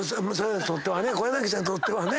小柳さんにとってはね。